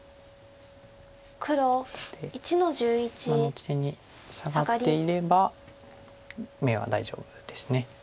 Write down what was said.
ここで今の地点にサガっていれば眼は大丈夫です。